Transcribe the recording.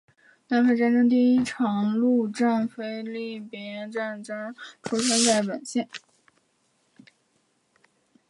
南北战争第一场陆战腓立比之役发生在本县。